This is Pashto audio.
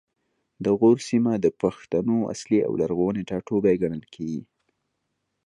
د غور سیمه د پښتنو اصلي او لرغونی ټاټوبی ګڼل کیږي